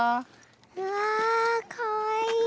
うわかわいい。